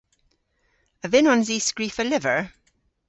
A vynnons i skrifa lyver?